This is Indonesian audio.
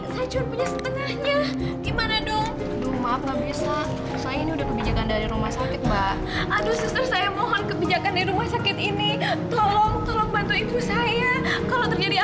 sampai jumpa di video selanjutnya